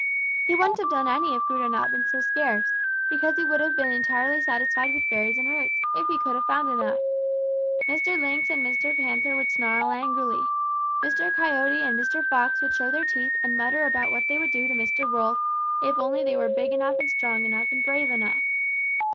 He wouldn't have done any if food had not been so scarce, because he would have been entirely satisfied with berries and roots, if he could have found enough. Mr. Lynx and Mr. Panther would snarl angrily. Mr. Coyote and Mr. Fox would show their teeth and mutter about what they would do to Mr. Wolf if only they were big enough and strong enough and brave enough.